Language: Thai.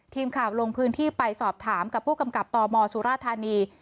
ทีมข่าวลงพื้นที่ไปสอบถามกับผู้กำกับตมสุราธานี